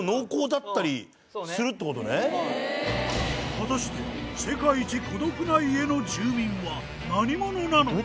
果たして世界一孤独な家の住民は何者なのか。